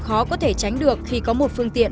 khó có thể tránh được khi có một phương tiện